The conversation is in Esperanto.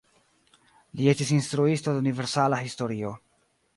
Li estis instruisto de universala historio.